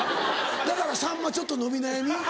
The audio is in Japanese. だからさんまちょっと伸び悩み。